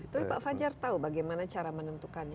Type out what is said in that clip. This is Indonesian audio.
tapi pak fajar tahu bagaimana cara menentukannya